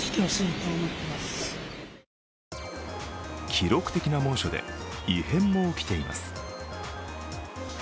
記録的な猛暑で異変も起きています。